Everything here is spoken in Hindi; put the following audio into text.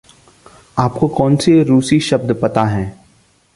आपको कौनसे रूसी शब्द पता हैं?